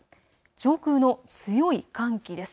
上空の強い寒気です。